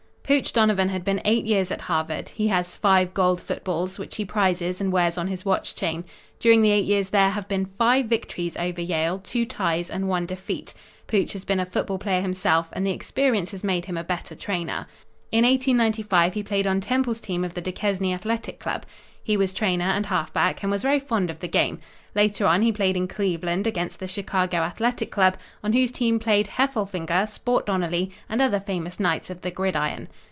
Pooch Donovan has been eight years at Harvard. He has five gold footballs, which he prizes and wears on his watch chain. During the eight years there have been five victories over Yale, two ties and one defeat. Pooch has been a football player himself and the experience has made him a better trainer. In 1895 he played on Temple's team of the Duquesne Athletic Club. He was trainer and halfback, and was very fond of the game. Later on he played in Cleveland against the Chicago Athletic Club, on whose team played Heffelfinger, Sport Donnelly, and other famous knights of the gridiron.